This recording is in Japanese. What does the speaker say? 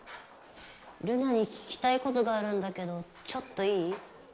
ルナに聞きたいことがあるんだけどちょっといい？